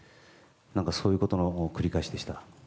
そういうことの繰り返しでした。